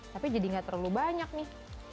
tapi jadi gak terlalu banyak nih